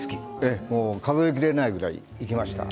数えきれないくらい行きました。